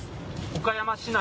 岡山市内